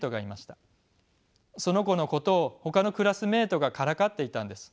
その子のことをほかのクラスメートがからかっていたんです。